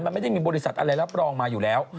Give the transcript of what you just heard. มันไม่ได้มีบริษัทอะไรรับรองมาอยู่แล้ว